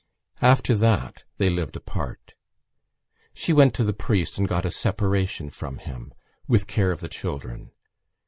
After that they lived apart. She went to the priest and got a separation from him with care of the children.